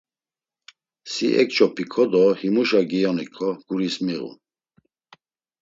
Si eǩç̌opiǩo do himuşa giyoniǩo, guris miğun.